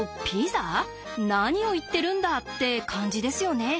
何を言ってるんだって感じですよね。